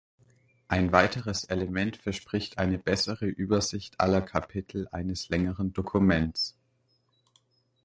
Ein weiteres Element verspricht eine bessere Übersicht aller Kapitel eines längeren Dokuments.